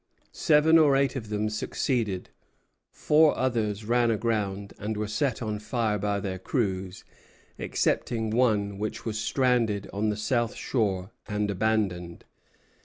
Seven or eight of them succeeded; four others ran aground and were set on fire by their crews, excepting one which was stranded on the south shore and abandoned.